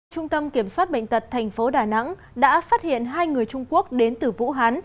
trung tâm kiểm soát bệnh tật thành phố đà nẵng đã phát hiện hai người trung quốc đến từ vũ hán